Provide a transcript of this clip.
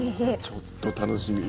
ちょっと楽しみ。